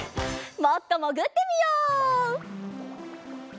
もっともぐってみよう！